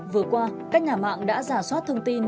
vừa qua các nhà mạng đã giả soát thông tin